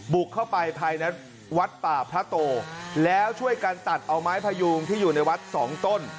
บุกเข้าไปภายในวัดป่าพระโตแล้วช่วยกันตัดเอาไม้พยูงที่อยู่ในวัดสองต้น